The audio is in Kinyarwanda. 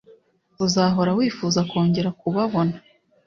uzahora wifuza kongera kubabona,